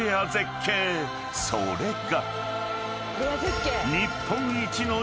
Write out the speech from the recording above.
［それが］